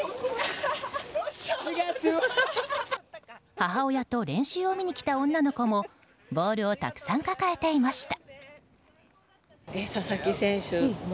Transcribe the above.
母親と練習を見に来た女の子もボールをたくさん抱えていました。